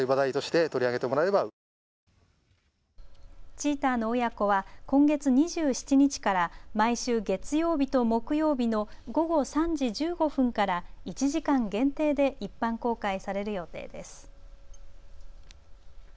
チーターの親子は今月２７日から毎週月曜日と木曜日の午後３時１５分から１時間限定で一般公開される予定です。